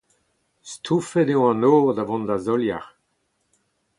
Stoufet eo an nor da vont d’ar solier.